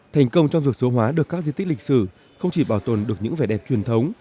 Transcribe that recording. thành công trong việc số hóa được các di tích lịch sử không chỉ bảo tồn được những vẻ đẹp truyền thống